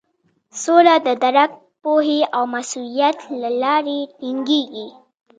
سوله د درک، پوهې او مسولیت له لارې ټینګیږي.